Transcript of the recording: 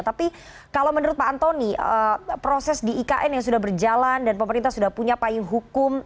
tapi kalau menurut pak antoni proses di ikn yang sudah berjalan dan pemerintah sudah punya payung hukum